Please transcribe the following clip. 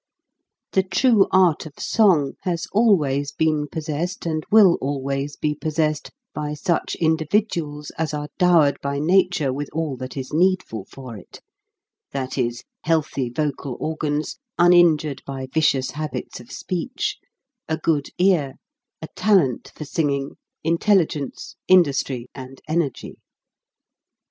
The true art of song has always been pos sessed and will always be possessed by such individuals as are dowered by nature with all that is needful for it that is, healthy vocal organs, uninjured by vicious habits of speech; a good ear, a talent for singing, in telligence, industry, and energy.